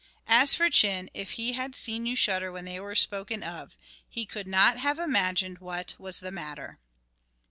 As for Chin, if he had seen you shudder when they were spoken of, he could not have imagined what was the matter.